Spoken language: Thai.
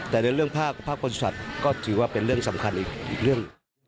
แต่ในเรื่องภาคบริษัทก็ถือว่าเป็นเรื่องสำคัญอีกเรื่อง